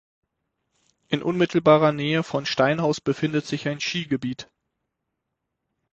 In unmittelbarer Nähe von Steinhaus befindet sich ein Skigebiet.